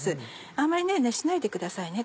あんまり熱しないでください。